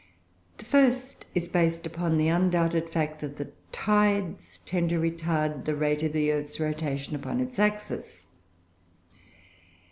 The first is based upon the undoubted fact that the tides tend to retard the rate of the earth's rotation upon its axis.